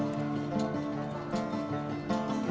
hmm berbeda dengan nasi merah